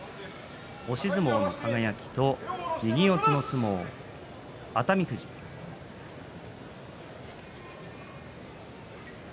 押し相撲の輝と右四つの熱海富士です。